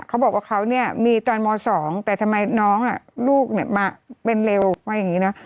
เขาบอกว่าเขาเนี่ยมีตอนม๒แต่ทำไมน้องลูกมาเป็นเร็วว่าอย่างนี้นะ